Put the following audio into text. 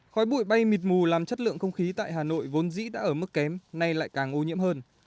khói bụi bay mịt mù làm chất lượng không khí tại hà nội vốn dĩ đã ở mức kém nay lại càng ô nhiễm hơn